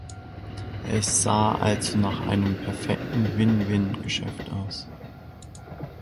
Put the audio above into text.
Es sah also nach einem perfekten Win-Win-Geschäft aus.